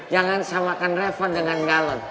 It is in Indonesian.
jangan samakan refon dengan galon